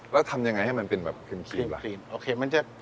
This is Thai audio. แล้วทำอย่างไรให้มันเป็นครีมละ